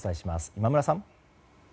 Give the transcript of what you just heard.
今村さん！